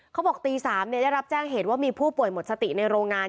เขาบอกตี๓ได้รับแจ้งเหตุว่ามีผู้ป่วยหมดสติในโรงงาน